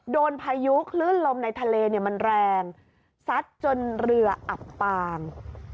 พายุคลื่นลมในทะเลมันแรงซัดจนเรืออับปาง